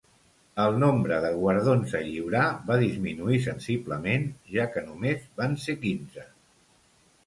El nombre de guardons a lliurar va disminuir sensiblement, ja que només van ser quinze.